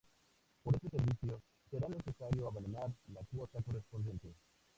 Para este servicio, será necesario abonar la cuota correspondiente.